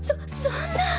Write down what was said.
そそんな！